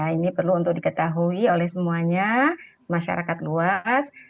ini perlu untuk diketahui oleh semuanya masyarakat luas